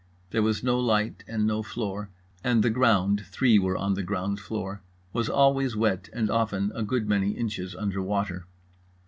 There was no light and no floor, and the ground (three were on the ground floor) was always wet and often a good many inches under water.